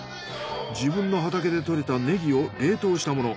自分の畑で採れたネギを冷凍したもの。